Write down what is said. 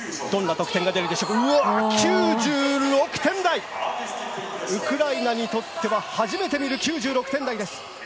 ９６点台、ウクライナにとっては初めて見る９６点台です。